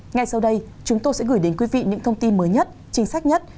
ngay sau đây chúng tôi sẽ gửi đến quý vị những thông tin mới nhất chính sách nhất